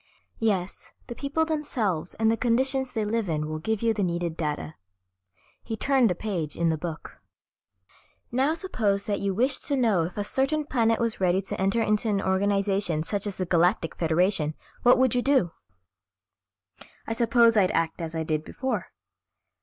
"Yes, the people themselves and the conditions they live in will give you the needed data." He turned a page in the book. "Now suppose that you wished to know if a certain planet was ready to enter into an organization such as the Galactic Federation, what would you do?" "I suppose I'd act as I did before.